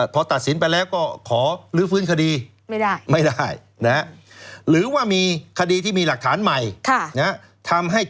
พอตัดสินไปแล้วก็ขอลื้อฟื้นคดี